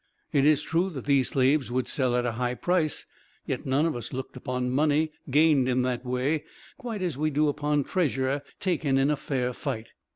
It is true that these slaves would sell at a high price, yet none of us looked upon money, gained in that way, quite as we do upon treasure taken in fair fight.